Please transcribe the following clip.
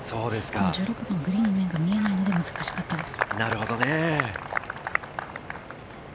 １６番、グリーンの面が見えないので、難しかったです。